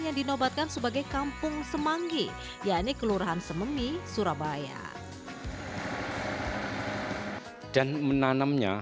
yang dinobatkan sebagai kampung semanggi yaitu kelurahan sememi surabaya dan menanamnya